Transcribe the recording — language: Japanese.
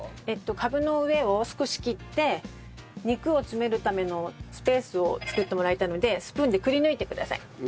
えっとカブの上を少し切って肉を詰めるためのスペースを作ってもらいたいのでスプーンでくりぬいてください。